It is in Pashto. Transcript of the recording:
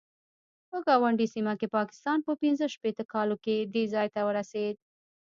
په ګاونډۍ سیمه کې پاکستان په پنځه شپېته کالو کې دې ځای ته ورسېد.